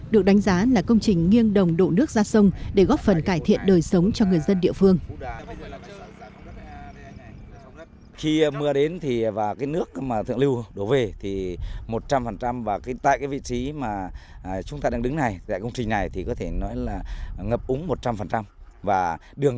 được đánh giá là công trình nghiêng đồng độ nước ra sông để góp phần cải thiện đời sống cho người dân địa phương